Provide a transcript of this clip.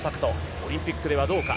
オリンピックではどうか。